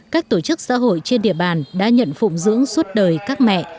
các tổ chức xã hội trên địa bàn đã nhận phụng dưỡng suốt đời các mẹ